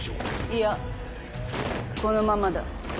いやこのままだ。